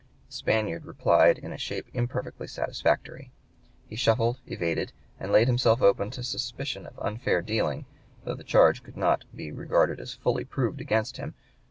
The Spaniard replied in a shape imperfectly (p. 117) satisfactory. He shuffled, evaded, and laid himself open to suspicion of unfair dealing, though the charge could not be regarded as fully proved against him.